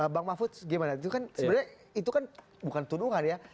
bang mahfud gimana itu kan sebenarnya itu kan bukan tuduhan ya